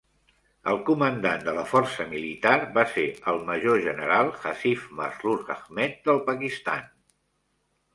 El comandant de la força militar va ser el major general Hafiz Masroor Ahmed del Pakistan.